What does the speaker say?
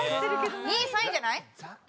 ２位３位じゃない？